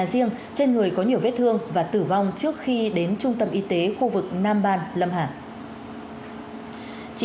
xin chào và hẹn gặp lại